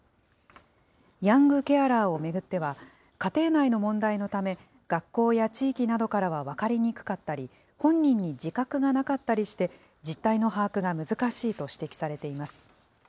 ヤングケアラーを巡っては、家庭内の問題のため、学校や地域などからは分かりにくかったり本人に自覚がなかったりして、実態の把握が難しいと指摘されています。